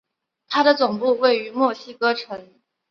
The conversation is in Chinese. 它的总部位于墨西哥城。